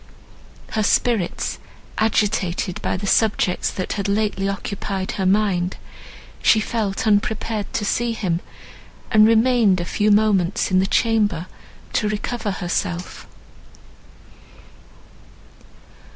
Her spirits agitated by the subjects that had lately occupied her mind, she felt unprepared to see him, and remained a few moments in the chamber to recover herself.